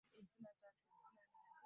Baharini mna mchanga mwingi.